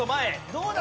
どうだ？